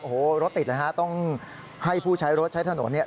โอ้โหรถติดเลยฮะต้องให้ผู้ใช้รถใช้ถนนเนี่ย